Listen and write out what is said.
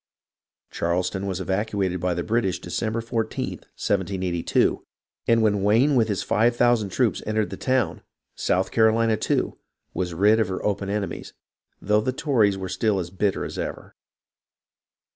Charleston was evacuated by the British December 14th, 1782, and when Wayne with his five thou sand troops entered the town, South Carolina, too, was rid of her open enemies, though the Tories were still as bitter as ever.